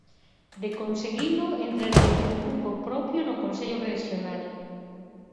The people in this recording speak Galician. De conseguilo, entraría con grupo propio no Consello Rexional.